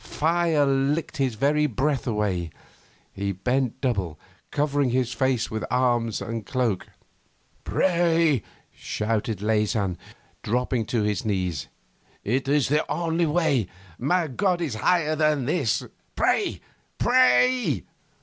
Fire licked his very breath away. He bent double, covering his face with arms and cloak. 'Pray!' shouted Leysin, dropping to his knees. 'It is the only way. My God is higher than this. Pray, pray!